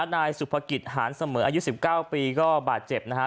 นายสุภกิจหานเสมออายุ๑๙ปีก็บาดเจ็บนะฮะ